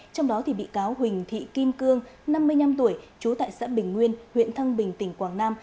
trong đó bị cáo huỳnh thị kim cương năm mươi năm tuổi trú tại xã bình nguyên huyện thăng bình tỉnh quảng nam